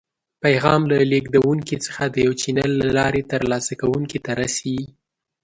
پیغام له لیږدونکي څخه د یو چینل له لارې تر لاسه کوونکي ته رسي.